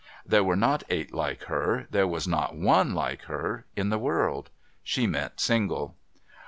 There were not eight like her— there was not one like her — in the world. She meant single.